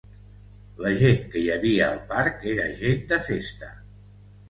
La gent que hi havia al parc era gent de festa.